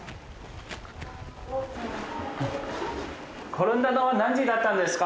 転んだのは何時だったんですか？